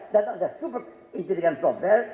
dan ada super intelligent software